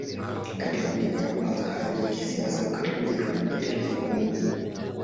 Katika miaka ya kwanza hali ya kisiasa katika Ujerumani na Italia ilikuwa muhimu.